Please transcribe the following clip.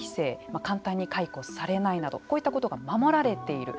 まあ簡単に解雇されないなどこういったことが守られている。